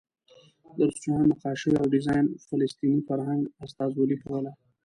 د رسټورانټ نقاشیو او ډیزاین فلسطیني فرهنګ استازولې کوله.